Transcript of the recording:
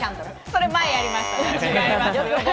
それ、前やりました。